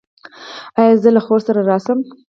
ایا زه له خور سره راشم؟